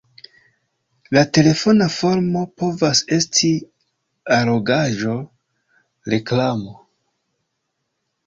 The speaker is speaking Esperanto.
La telefona formo povas esti allogaĵo, reklamo.